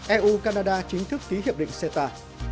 eu canada chính thức ký hiệp định ceta